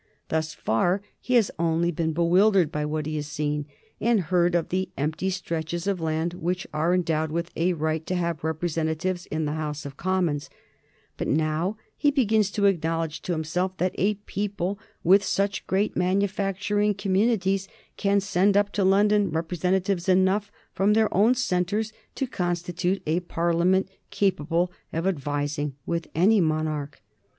Thus far he has only been bewildered by what he has seen and heard of the empty stretches of land which are endowed with a right to have representatives in the House of Commons, but now he begins to acknowledge to himself that a people with such great manufacturing communities can send up to London representatives enough from their own centres to constitute a Parliament capable of advising with any monarch.